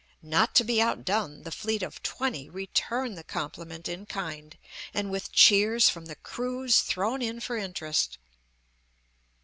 Not to be outdone, the fleet of twenty return the compliment in kind, and with cheers from the crews thrown in for interest.